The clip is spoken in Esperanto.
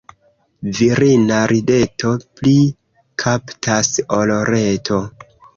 Virina rideto pli kaptas ol reto.